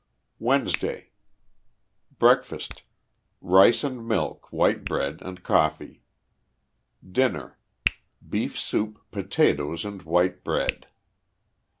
WEDNESDAY. Breakfast. — Rice and milk, white bread and coffee. Dinner. — Beef soup, potatoes and white bread.